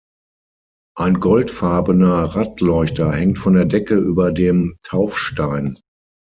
Ein goldfarbener Radleuchter hängt von der Decke über dem Taufstein.